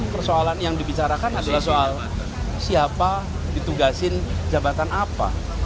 persoalan yang dibicarakan adalah soal siapa ditugasin jabatan apa